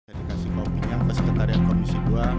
dikasih kopi yang kesekitaran komisi dua